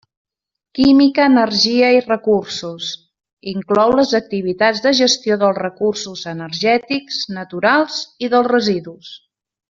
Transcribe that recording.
Química, energia, i recursos: inclou les activitats de gestió dels recursos energètics, naturals i dels residus.